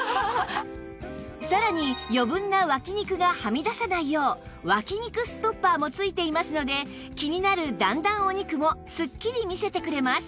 さらに余分な脇肉がはみ出さないよう脇肉ストッパーも付いていますので気になる段々お肉もすっきり見せてくれます